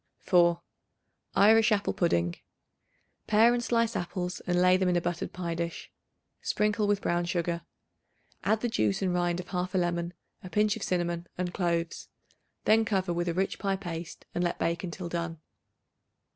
4. Irish Apple Pudding. Pare and slice apples and lay them in a buttered pie dish. Sprinkle with brown sugar; add the juice and rind of 1/2 of a lemon, a pinch of cinnamon and cloves. Then cover with a rich pie paste and let bake until done.